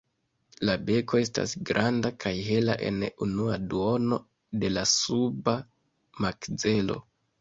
La beko estas granda kaj hela en unua duono de la suba makzelo.